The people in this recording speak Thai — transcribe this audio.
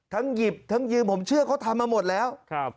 หยิบทั้งยืมผมเชื่อเขาทำมาหมดแล้ว